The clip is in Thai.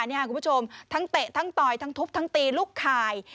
คุณผู้ชมทั้งเตะทั้งต่อยทั้งทุบทั้งตีลูกข่าย